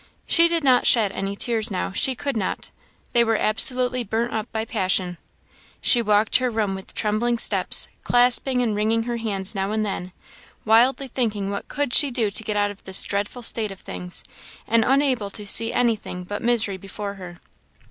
She did not shed any tears now; she could not; they were absolutely burnt up by passion. She walked her room with trembling steps, clasping and wringing her hands now and then, wildly thinking what could she do to get out of this dreadful state of things, and unable to see anything but misery before her.